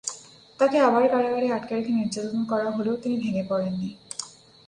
তাকে আবার কারাগারে আটকে রেখে নির্যাতন করা হলেও তিনি ভেঙ্গে পড়েন নি।